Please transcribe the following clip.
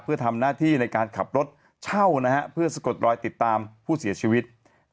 เพื่อทำหน้าที่ในการขับรถเช่านะฮะเพื่อสะกดรอยติดตามผู้เสียชีวิต